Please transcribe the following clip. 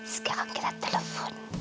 sekarang kita telepon